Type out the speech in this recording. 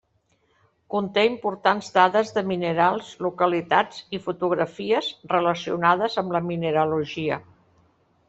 Conté importants dades de minerals, localitats i fotografies relacionades amb la mineralogia.